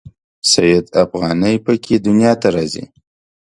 سید افغاني په کې دنیا ته راځي.